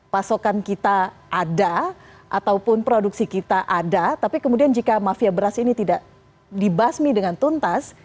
pasokan kita ada ataupun produksi kita ada tapi kemudian jika mafia beras ini tidak dibasmi dengan tuntas